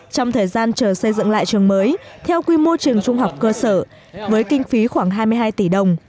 trong thời gian chờ xây dựng lại trường mới theo quy mô trường trung học cơ sở với kinh phí khoảng hai mươi hai tỷ đồng